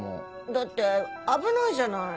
だって危ないじゃない。